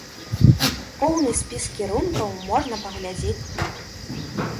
Поўны спіс кірункаў можна паглядзець тут.